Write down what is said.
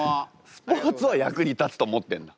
スポーツは役に立つと思ってんだ？